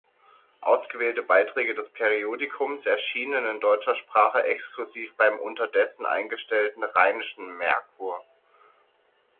Ausgewählte Beiträge des Periodikums erschienen in deutscher Sprache exklusiv beim unterdessen eingestellten Rheinischen Merkur.